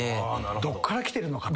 どっからきてるのか？と。